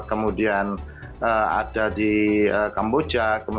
kemudian ada di kamboja